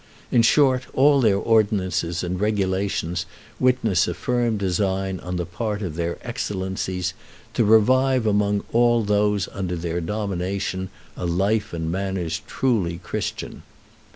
In short, all their ordinances and regulations witness a firm design on the part of their Excellencies 'to revive among all those under their domination a life and manners truly Christian.'